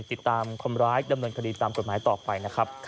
ติดตามคนร้ายดำเนินคดีตามกฎหมายต่อไปนะครับ